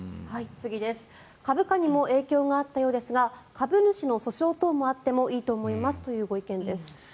株価にも影響があったようですが株主の訴訟等もあってもいいと思いますというご意見です。